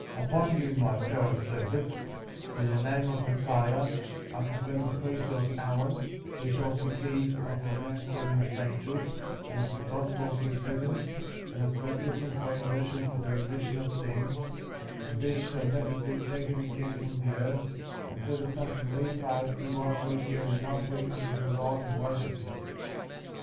Upon you my fellow servants, in the name of Messiah, I confer the Priesthood of Aaron, which holds the heys of the ministering of angels, and of the Gospel of repentance, and of baptism by immer sion for the remission of sins; and this shall never be taken again from the earth, until the sons of Levi do offer again an offering unto the Lord in right eousness, 70.